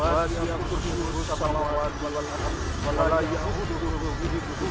rani segarikari alamu bunuhku